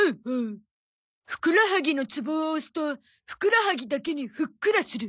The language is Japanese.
ふくらはぎのツボを押すとふくらはぎだけにふっくらする。